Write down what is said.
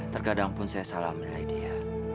terkadang pun saya salah menilai dia